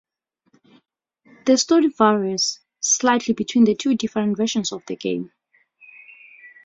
The story varies slightly between the two different versions of the game.